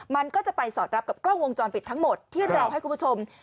มันก็จะไปสอดรับกับกล้องวงจรปิดทั้งหมดที่เราให้คุณผู้ชม